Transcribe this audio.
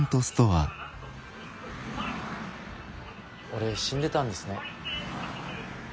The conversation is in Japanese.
俺死んでたんですね。